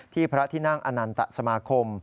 พระที่นั่งอนันตสมาคม